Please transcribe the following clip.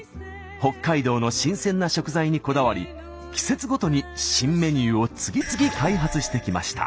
北海道の新鮮な食材にこだわり季節ごとに新メニューを次々開発してきました。